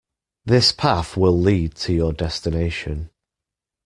This path will lead you to your destination.